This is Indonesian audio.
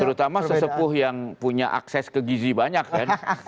terutama sesepuh yang punya akses ke gizi banyak kan